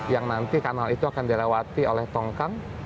yang nanti kanal itu akan dilewati oleh tongkang